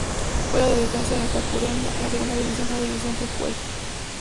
Juega de defensa en el Tacuarembó, de la Segunda División Profesional de Uruguay.